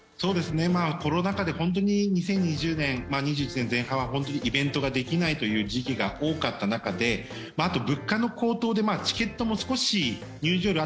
コロナ禍で本当に２０２０年、２１年前半は本当にイベントができないという時期が多かった中であと物価の高騰でチケットも少し入場料